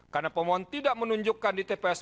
karena pemohon tidak menunjukkan di tps